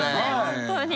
本当に。